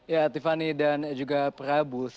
ya tiffany dan juga prabu